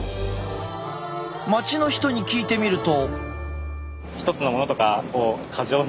街の人に聞いてみると。